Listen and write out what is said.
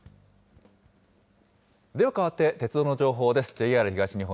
では変わって、鉄道の情報です。